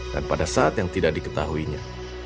dan pada saat yang tidak diketahuinya